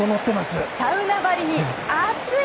サウナばりに熱い！